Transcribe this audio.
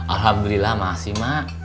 alhamdulillah masih ma